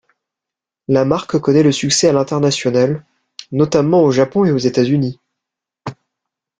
La marque connait le succès à l'international, notamment au Japon et aux États-Unis.